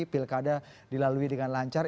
pilkada dilalui dengan lancar